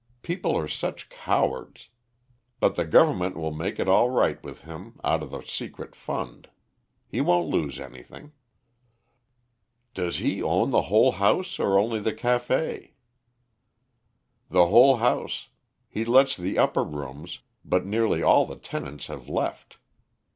People are such cowards. But the Government will make it all right with him out of the secret fund. He won't lose anything." "Does he own the whole house, or only the café?" "The whole house. He lets the upper rooms, but nearly all the tenants have left.